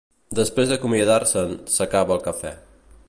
Després d'acomiadar-se'n, s'acaba el cafè.